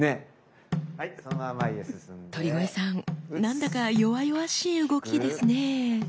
鳥越さんなんだか弱々しい動きですね。